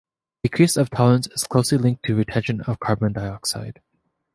Decrease of tolerance is closely linked to retention of carbon dioxide.